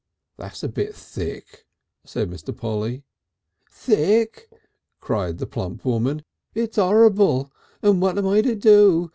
"That's a Bit Thick," said Mr. Polly. "Thick!" cried the plump woman; "it's 'orrible! And what am I to do?